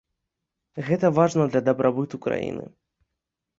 Гэта важна для дабрабыту краіны.